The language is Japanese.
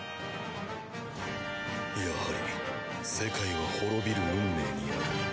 やはり世界は滅びる運命にある。